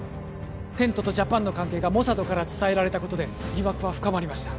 テントとＪＡＰＡＮの関係がモサドから伝えられたことで疑惑は深まりました